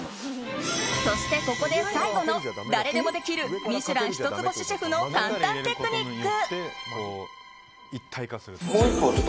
そしてここで最後の誰でもできる「ミシュラン」一つ星シェフの簡単テクニック。